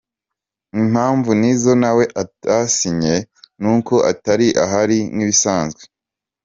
Impamvu Nizzo nawe atasinye n’uko atari ahari nk’ibisanzwe.